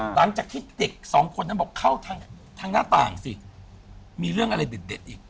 หลังจากที่เด็กสองคนนั้นบอกเข้าทางหน้าต่างสิมีเรื่องอะไรเด็ดอีก